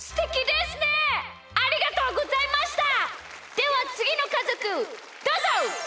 ではつぎのかぞくどうぞ！